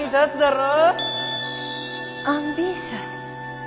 アンビシャス。